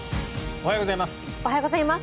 おはようございます。